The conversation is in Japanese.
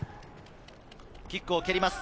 キックを蹴ります。